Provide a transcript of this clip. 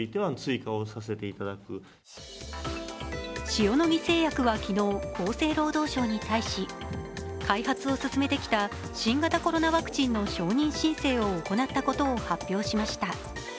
塩野義製薬は昨日厚生労働省に対し開発を進めてきた新型コロナワクチンの承認申請を行ったことを発表しました。